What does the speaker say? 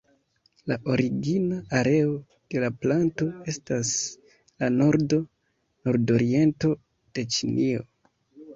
La origina areo de la planto estas la nordo, nordoriento de Ĉinio.